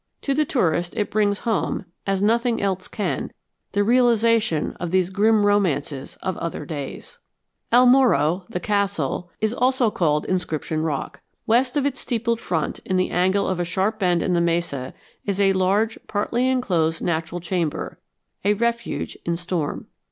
To the tourist it brings home, as nothing else can, the realization of these grim romances of other days. El Morro, the castle, is also called Inscription Rock. West of its steepled front, in the angle of a sharp bend in the mesa, is a large partly enclosed natural chamber, a refuge in storm.